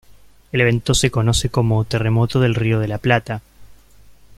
El evento se conoce como terremoto del Río de la Plata.